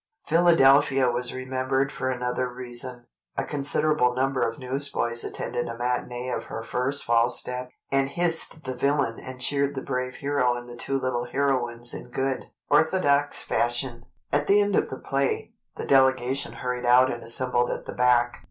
Philadelphia was remembered for another reason. A considerable number of newsboys attended a matinée of "Her First False Step," and hissed the villain and cheered the brave hero and the two little heroines in good, orthodox fashion. At the end of the play, the delegation hurried out and assembled at the back.